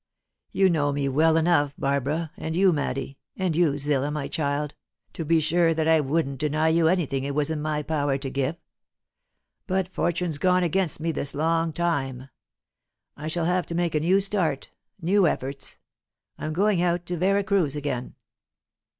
You know me well enough, Barbara, and you Maddy, and you, Zillah, my child, to be sure that I wouldn't deny you anything it was in my power to give. But fortune's gone against me this long time. I shall have to make a new start, new efforts. I'm going out to Vera Cruz again."